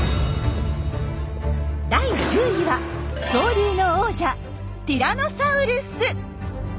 第１０位は恐竜の王者ティラノサウルス。